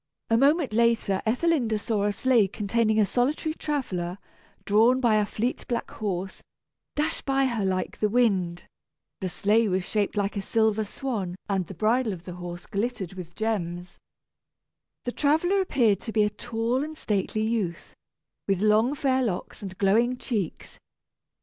A moment later Ethelinda saw a sleigh containing a solitary traveller, drawn by a fleet black horse, dash by her like the wind. The sleigh was shaped like a silver swan and the bridle of the horse glittered with gems. The traveller appeared to be a tall and stately youth, with long fair locks and glowing cheeks.